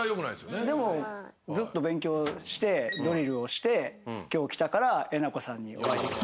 でもずっと勉強してドリルをして今日来たからえなこさんにお会いできた。